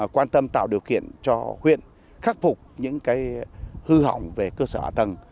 quan tâm tạo điều kiện cho huyện khắc phục những hư hỏng về cơ sở hạ tầng